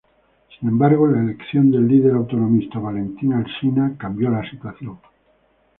Sin embargo, la elección del líder autonomista Valentín Alsina cambio la situación.